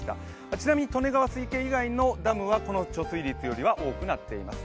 ちなみに利根川水系以外のダムはこの貯水率よりは多くなっています。